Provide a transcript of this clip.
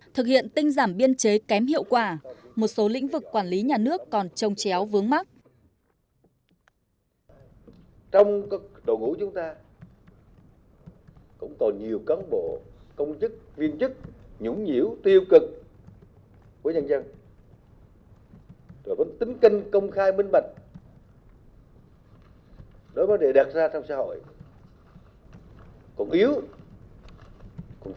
thực hiện tinh giảm biên chế kém hiệu quả một số lĩnh vực quản lý nhà nước còn trông chéo vướng mắt